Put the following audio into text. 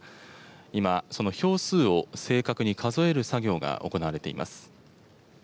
今、その票数を正確に数える作業が行われています。